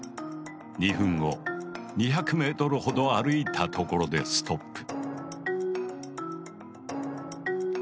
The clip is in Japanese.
２分後２００ｍほど歩いたところでストップ。